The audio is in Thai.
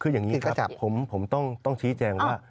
คืออย่างนี้ผมต้องชี้แจงว่า